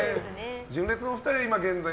純烈のお二人は、現在。